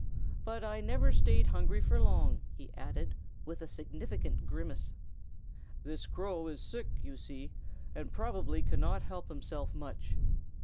But I never stayed hungry very long," he added, with a significant grimace. "This crow is sick, you see, and probably cannot help himself much.